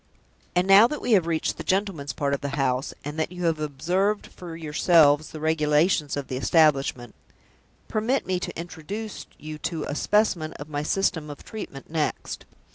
And now that we have reached the gentleman's part of the house, and that you have observed for yourselves the regulations of the establishment, permit me to introduce you to a specimen of my system of treatment next.